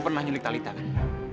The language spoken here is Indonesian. lu pernah nyulik talitha kan